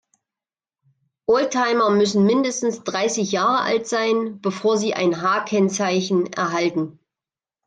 Oldtimer müssen mindestens dreißig Jahre alt sein, bevor sie ein H-Kennzeichen erhalten.